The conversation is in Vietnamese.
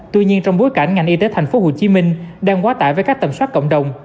tuy nhiên trong bối cảnh ngành y tế thành phố hồ chí minh đang quá tải với các tầm soát cộng đồng